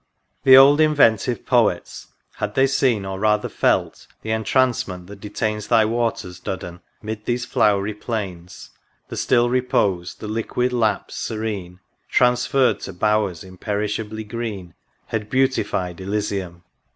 The old inventive Poets, had they seen, Or rather felt, the entrancement that detains Thy waters, Duddon I mid these flow'ry plains, The still repose, the liquid lapse serene, Transferr'd to bowers imperishably green. Had beautified Elysium